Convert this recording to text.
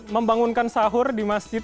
membangunkan sahur di masjid